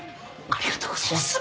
ありがとうございます。